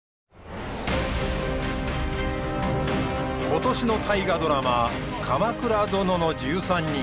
今年の大河ドラマ「鎌倉殿の１３人」。